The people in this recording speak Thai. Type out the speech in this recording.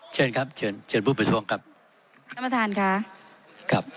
ขอประท้วงครับขอประท้วงครับขอประท้วงครับขอประท้วงครับ